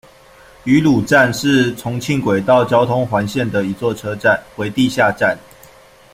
渝鲁站是重庆轨道交通环线的一座车站，为地下站。